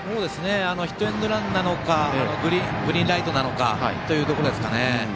ヒットエンドランなのかグリーンライトなのかというところですね。